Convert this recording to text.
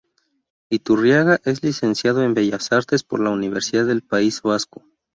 Iturriaga es licenciado en Bellas Artes por la Universidad del País Vasco.